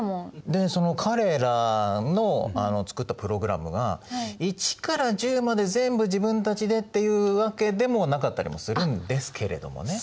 でその彼らの作ったプログラムが１から１０まで全部自分たちでっていうわけでもなかったりもするんですけれどもね。